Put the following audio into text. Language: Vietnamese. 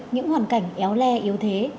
những hoàn cảnh éo le yếu thế